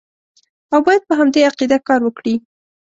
او باید په همدې عقیده کار وکړي.